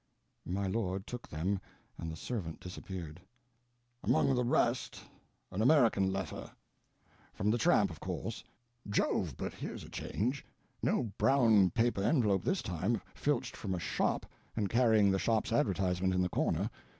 My lord took them, and the servant disappeared. "Among the rest, an American letter. From the tramp, of course. Jove, but here's a change! No brown paper envelope this time, filched from a shop, and carrying the shop's advertisement in the corner.